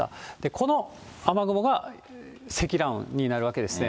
この雨雲が積乱雲になるわけですね。